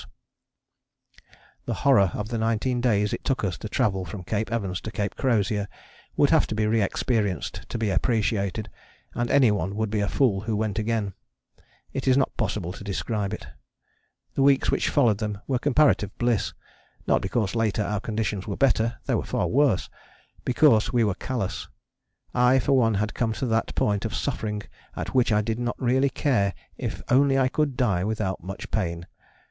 [Illustration: A PANORAMIC VIEW OF ROSS ISLAND FROM CRATER HILL] The horror of the nineteen days it took us to travel from Cape Evans to Cape Crozier would have to be re experienced to be appreciated; and any one would be a fool who went again: it is not possible to describe it. The weeks which followed them were comparative bliss, not because later our conditions were better they were far worse because we were callous. I for one had come to that point of suffering at which I did not really care if only I could die without much pain.